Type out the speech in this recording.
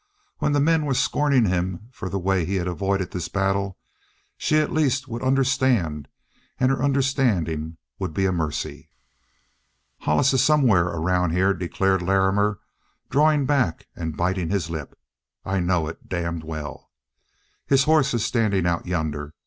When the men were scorning him for the way he had avoided this battle, she, at least, would understand, and her understanding would be a mercy. "Hollis is somewhere around," declared Larrimer, drawing back and biting his lip. "I know it, damn well. His hoss is standing out yonder.